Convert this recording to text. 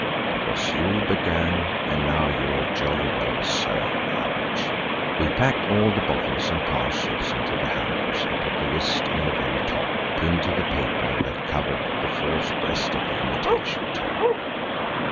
It was you began, and now you are jolly well served out." We packed all the bottles and parcels into the hamper and put the list on the very top, pinned to the paper that covered the false breast of the imitation Turk.